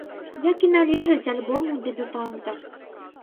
Як і належыць альбому дэбютанта.